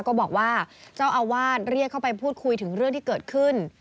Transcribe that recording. ก็บอกว่าเจ้าอาวาสเรียกเข้าไปพูดคุยถึงเรื่องที่เกิดขึ้น